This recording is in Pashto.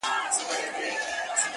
دوه او درې ځله غوټه سو په څپو کي -